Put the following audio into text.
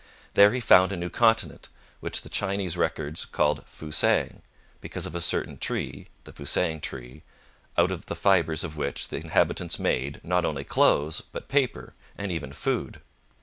There he found a new continent, which the Chinese records called Fusang, because of a certain tree the fusang tree, out of the fibres of which the inhabitants made, not only clothes, but paper, and even food.